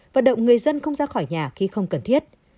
vận động người dân không ra khỏi nhà khi không cần thiết